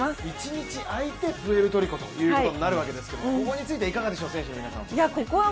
１日あいてプエルトリコになるわけですが、ここについてはいかがでしょうか、選手の皆さんは。